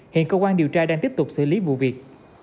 hiện cơ quan điều tra đang tiếp tục xử lý vụ việc